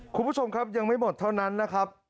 คุณผู้ชมครับยังไม่หมดเท่านั้นนะครับ